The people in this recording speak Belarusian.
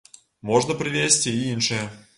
Можна прывесці і іншыя.